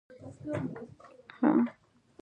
زه د شپې درس ویل غوره ګڼم.